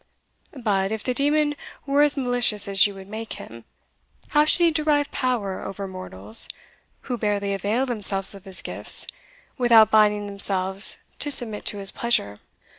But, if the demon were as malicious as you would make him, how should he derive power over mortals, who barely avail themselves of his gifts, without binding themselves to submit to his pleasure?